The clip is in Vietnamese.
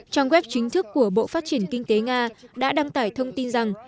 trang web chính thức của bộ phát triển kinh tế nga đã đăng tải thông tin rằng